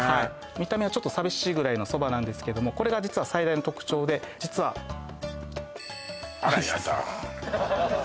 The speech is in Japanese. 見た目はちょっと寂しいぐらいのそばなんですけどもこれが実は最大の特徴で実はあらやだ